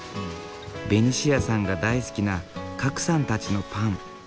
ベニシアさんが大好きな賀来さんたちのパン。